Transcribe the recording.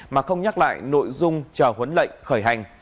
mà không nhắc lại nội dung chờ huấn lệnh khởi hành